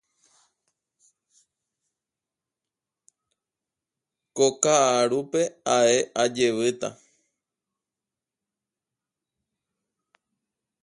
Ko ka'arúpe ae ajevýta.